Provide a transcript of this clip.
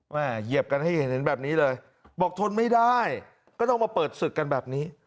เหยียบกันให้เห็นแบบนี้เลยบอกทนไม่ได้ก็ต้องมาเปิดศึกกันแบบนี้